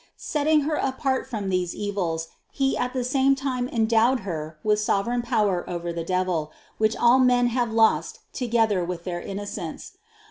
Setting Her apart from these evils, He at the same time endowed Her with sovereign power over the devil, which all men have lost together with their innocence.